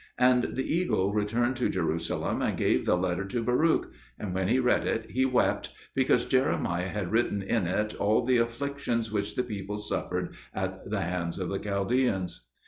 And the eagle returned to Jerusalem, and gave the letter to Baruch; and when he read it he wept, because Jeremiah had written in it all the afflictions which the people suffered at the hands of the Chaldeans.